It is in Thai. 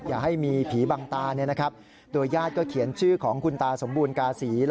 อย่าให้มีผีบังตาโดยญาติก็เขียนชื่อของคุณตาสมบูรณกาศี